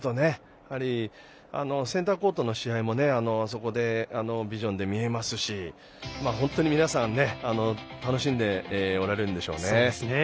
やはりセンターコートの試合もそこでビジョンで見えますし皆さん楽しんでおられるでしょう。